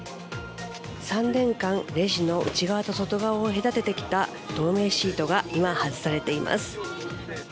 ３年間、レジの内側と外側を隔ててきた透明シートが今、外されています。